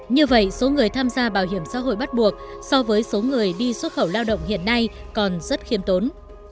như vậy số người tham gia bảo hiểm xã hội bắt buộc so với số người đi xuất khẩu lao động hiện nay còn rất khiêm tốn